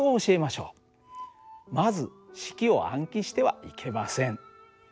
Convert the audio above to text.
まず式を暗記してはいけません。